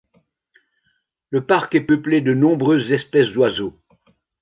Le parc est peuplé de nombreuses espèces d'oiseaux.